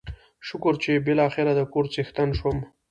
شکر چې بلاخره دکور څښتن شوم.